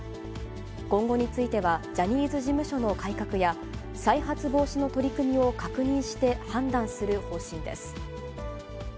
今後については、ジャニーズ事務所の改革や、再発防止の取り組みを確認して判断する方針です。